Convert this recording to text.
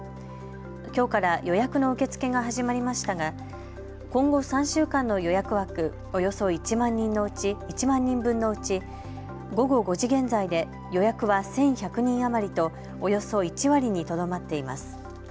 きょうから予約の受け付けが始まりましたが今後３週間の予約枠およそ１万人分のうち午後５時現在で予約は１１００人余りとおよそ１割にとどまっています。